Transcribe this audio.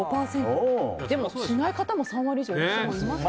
でも、しない方も３割以上。